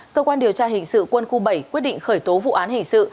cơ quan điều tra hình sự quân khu bảy quyết định khởi tố vụ án hình sự